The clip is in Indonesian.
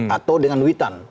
atau dengan witan